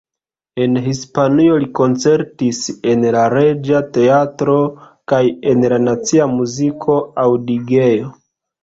En Hispanujo li koncertis en la Reĝa Teatro kaj en la Nacia Muziko-Aŭdigejo.